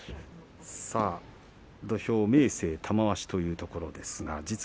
土俵、明生、玉鷲というところです。